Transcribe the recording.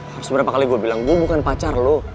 harus berapa kali gue bilang gue bukan pacar loh